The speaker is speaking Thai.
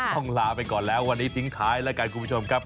ต้องลาไปก่อนแล้ววันนี้ทิ้งท้ายแล้วกันคุณผู้ชมครับ